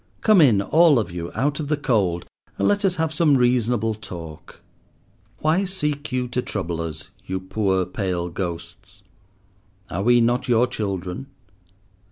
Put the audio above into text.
Come in, all of you, out of the cold, and let us have some reasonable talk. Why seek you to trouble us, you poor pale ghosts? Are we not your children?